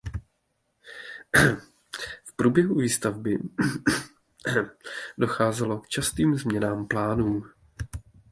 V průběhu výstavby docházelo k častým změnám plánů.